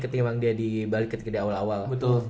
ketinggian dia di bali ketika dia awal awal